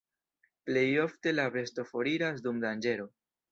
Plejofte la besto foriras dum danĝero.